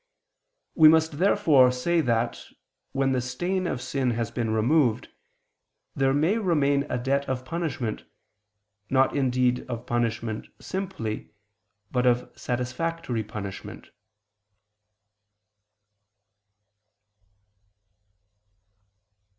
We must, therefore, say that, when the stain of sin has been removed, there may remain a debt of punishment, not indeed of punishment simply, but of satisfactory punishment.